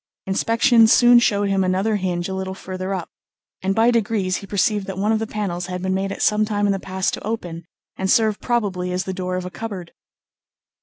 Inspection soon showed him another hinge a little further up, and by degrees he perceived that one of the panels had been made at some time in the past to open, and serve probably as the door of a cupboard.